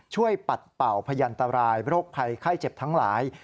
ปัดเป่าพยันตรายโรคภัยไข้เจ็บทั้งหลาย